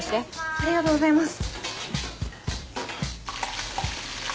ありがとうございます。